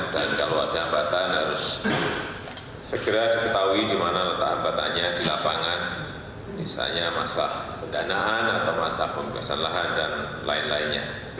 dan kalau ada ampatan harus segera diketahui di mana letak ampatannya di lapangan misalnya masalah pendanaan atau masalah pembebasan lahan dan lain lainnya